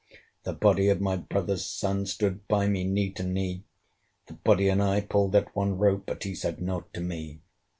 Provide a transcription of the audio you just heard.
The body of my brother's son, Stood by me, knee to knee: The body and I pulled at one rope, But he said nought to me.